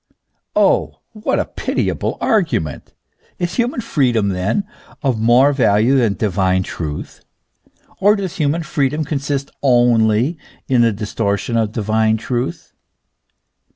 "* Oh what a pitiable argument ! Is human freedom, then, of more value than divine truth ? Or does human freedom con sist only in the distortion of divine truth